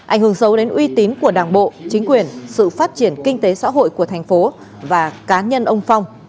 ảnh hưởng xấu đến uy tín của đảng bộ chính quyền sự phát triển kinh tế xã hội của thành phố